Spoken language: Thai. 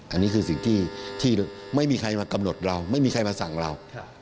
อันนี้คือสิ่งที่ไม่มีใครมากำหนดเราไม่มีใครมาสั่งเรา